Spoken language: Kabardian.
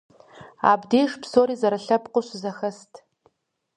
Абдеж псори зэрылъэпкъыу щызэхэст.